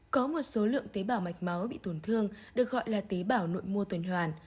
có một số lượng tế bảo mạch máu bị tổn thương được gọi là tế bào nội mô tuần hoàn